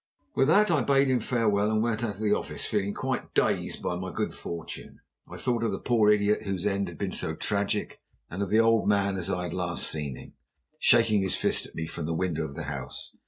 With that, I bade him farewell, and went out of the office, feeling quite dazed by my good fortune. I thought of the poor idiot whose end had been so tragic, and of the old man as I had last seen him, shaking his fist at me from the window of the house.